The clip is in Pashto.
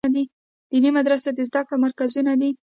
دیني مدرسې د زده کړو مرکزونه دي.